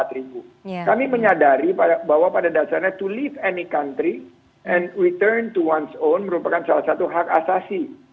dan saya juga ingin mengingatkan bahwa pada dasarnya untuk meninggalkan sebuah negara dan kembali menjadi orang sendiri adalah salah satu hak asasi